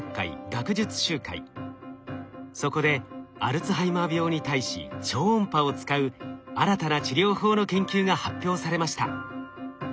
そこでアルツハイマー病に対し超音波を使う新たな治療法の研究が発表されました。